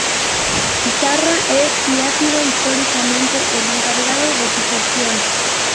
Izarra es y ha sido históricamente el encargado de su gestión.